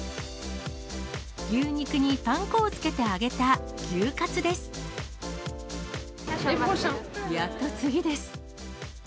牛肉にパン粉をつけて揚げたやっと次です。